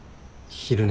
昼寝？